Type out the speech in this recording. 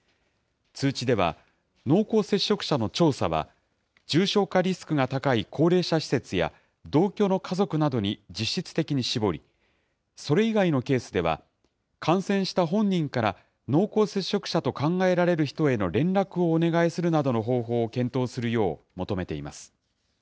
通知では、濃厚接触者の調査は、重症化リスクが高い高齢者施設や、同居の家族などに実質的に絞り、それ以外のケースでは、感染した本人から濃厚接触者と考えられる人への連絡をお願いするなどの方法を検討するよう求めています。